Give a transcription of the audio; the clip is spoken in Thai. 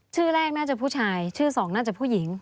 ชื่อแรกน่าจะผู้ชายชื่อสองน่าจะผู้หญิง